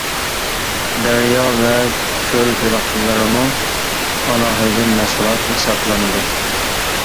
دەريا ۋە كۆل بېلىقلىرىمۇ ئالاھىدە مەھسۇلات ھېسابلىنىدۇ.